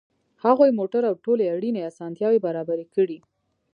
هغوی موټر او ټولې اړینې اسانتیاوې برابرې کړې